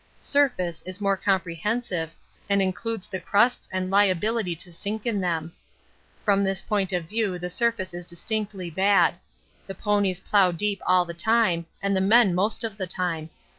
'Surface' is more comprehensive, and includes the crusts and liability to sink in them. From this point of view the surface is distinctly bad. The ponies plough deep all the time, and the men most of the time.